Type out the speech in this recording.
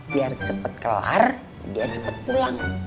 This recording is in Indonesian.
biar cepet kelar dia cepet pulang